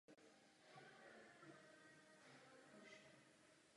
Prozrazení se ale stejně nepodařilo zabránit.